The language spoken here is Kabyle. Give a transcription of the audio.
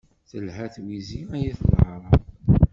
Telha twizi ay at leεraḍ.